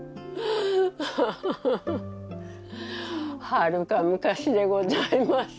はるか昔でございます。